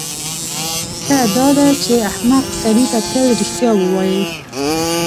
ښه داده چې احمق سړی تل رښتیا ووایي.